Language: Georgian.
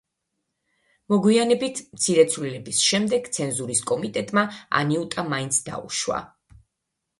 მოგვიანებით, მცირე ცვლილების შემდეგ ცენზურის კომიტეტმა „ანიუტა“ მაინც დაუშვა.